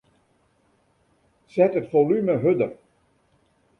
Set it folume hurder.